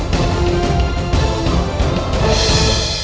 terima kasih nyai